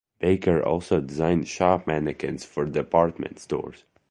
Baker also designed shop mannequins for department stores.